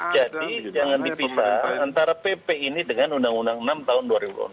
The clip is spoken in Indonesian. jadi jangan dipisah antara pp ini dengan undang undang nomor enam tahun dua ribu delapan belas